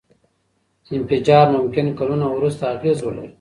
انفجار ممکن کلونه وروسته اغېز ولري.